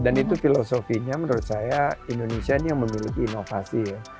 dan itu filosofinya menurut saya indonesia ini yang memiliki inovasi ya